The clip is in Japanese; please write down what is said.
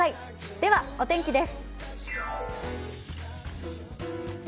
ではお天気です。